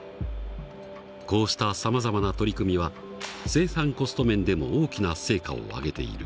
こうしたさまざまな取り組みは生産コスト面でも大きな成果を上げている。